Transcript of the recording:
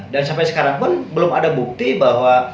dan sampai sekarang pun belum ada bukti bahwa